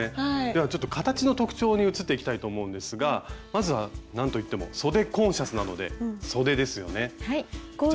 ではちょっと形の特徴に移っていきたいと思うんですがまずはなんといってもそでコンシャスなので「そで」ですよね。